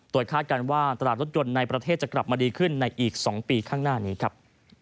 คาดการณ์ว่าตลาดรถยนต์ในประเทศจะกลับมาดีขึ้นในอีก๒ปีข้างหน้านี้ครับ